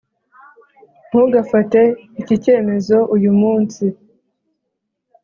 ntugafate iki cyemezo uyu munsi.